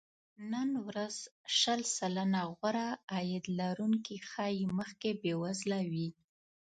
نن ورځ شل سلنه غوره عاید لرونکي ښايي مخکې بې وزله وي